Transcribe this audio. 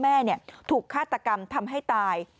แม่ถูกฆาตกรรมทำให้ตาย